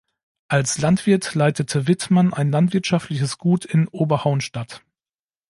Als Landwirt leitete Wittmann ein landwirtschaftliches Gut in Oberhaunstadt.